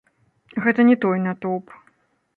Гэта не той натоўп.